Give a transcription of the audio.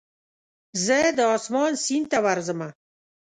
زه د اسمان سیند ته ورځمه